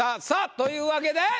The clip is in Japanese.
さあというわけで。